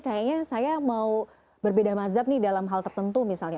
kayaknya saya mau berbeda mazhab nih dalam hal tertentu misalnya